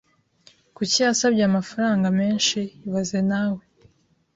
Kuki yasabye amafaranga menshi ibaze nawe